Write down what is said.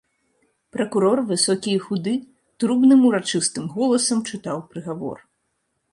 Пракурор, высокі і худы, трубным урачыстым голасам чытаў прыгавор.